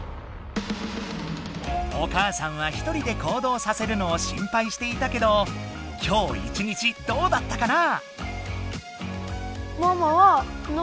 お母さんは１人で行動させるのを心配していたけど今日一日どうだったかな？